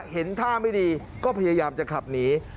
เห็นท่าไม่ดีก็พยายามจะขับหนี